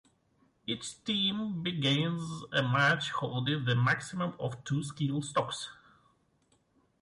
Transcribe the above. Each team begins a match holding the maximum of two Skill Stocks.